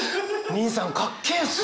にいさんかっけえっすよ！